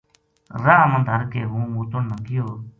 راہ ما دھر کے ہوں موتن نا گیو